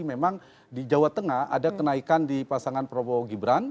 memang di jawa tengah ada kenaikan di pasangan prabowo gibran